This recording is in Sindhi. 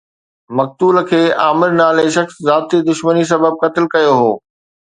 مقتول کي عامر نالي شخص ذاتي دشمني سبب قتل ڪيو هو